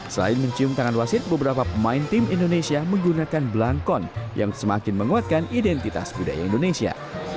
selain mencium tangan wasit beberapa pemain tim indonesia menggunakan belangkon yang semakin menguatkan identitas budaya indonesia